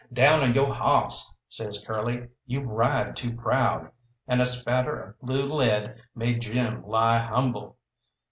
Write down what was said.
"Down on yo' hawss," says Curly, "you ride too proud," and a spatter of blue lead made Jim lie humble.